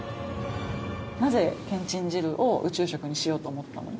なぜけんちん汁を宇宙食にしようと思ったの？